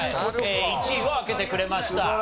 １位を開けてくれました。